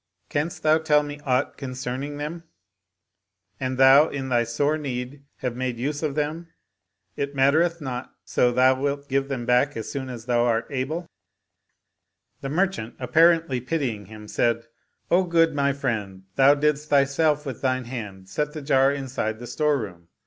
Canst thou tell me aught concerning them? An thou in thy sore need have made use of them, it matter eth not so thou wilt give them back as soon as thou art able." 128 The Jar of Olives and the Boy Kazi The merchant, apparentiy pitying him, said, " O good my friend, thou didst thyself with thine hand set the jar inside the store room.